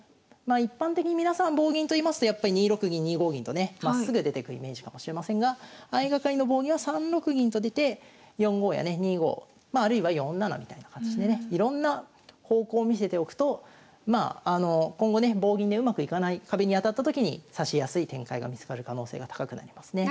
一般的に皆さん棒銀といいますとやっぱり２六銀２五銀とねまっすぐ出てくイメージかもしれませんが相掛かりの棒銀は３六銀と出て４五やね２五まああるいは４七みたいな形でねいろんな方向を見せておくと今後ね棒銀でうまくいかない壁に当たった時に指しやすい展開が見つかる可能性が高くなりますね。